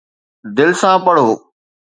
دل سان پڙهو